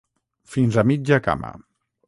Fins a mitja cama.